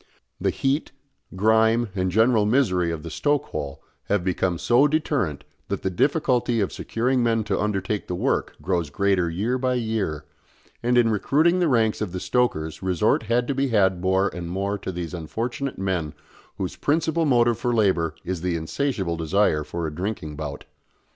The heat, grime, and general misery of the stoke hole have become so deterrent that the difficulty of securing men to undertake the work grows greater year by year, and in recruiting the ranks of the stokers resort had to be had more and more to those unfortunate men whose principal motive for labour is the insatiable desire for a drinking bout.